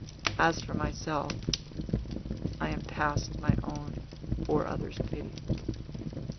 As for myself, I am past my own or other's pity."